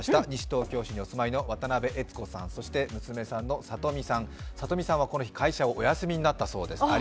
西東京市にお住まいの渡邉悦子さん、娘さんの智美さん、娘さんはこの日会社をお休みになったそうです。